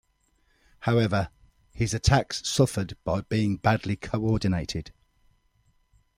However, his attacks suffered by being badly coordinated.